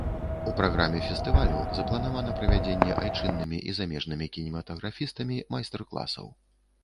У праграме фестывалю запланавана правядзенне айчыннымі і замежнымі кінематаграфістамі майстар-класаў.